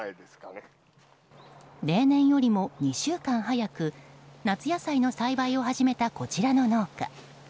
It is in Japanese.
例年よりも２週間早く夏野菜の栽培を始めたこちらの農家。